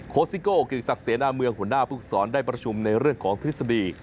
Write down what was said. ซิโก้กิติศักดิเสนาเมืองหัวหน้าภูมิสอนได้ประชุมในเรื่องของทฤษฎี